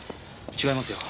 違いますよ。